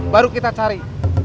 baru kita cari